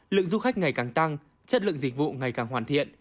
lượng du khách ngày càng tăng chất lượng dịch vụ ngày càng hoàn thiện